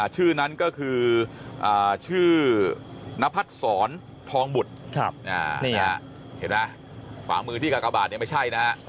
ชื่อนั้นก็คือชื่อนพัฒน์สรทองบุตรเห็นมั้ยฝากมือที่กากบาทไม่ใช่นะ